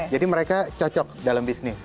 jadi mereka cocok dalam bisnis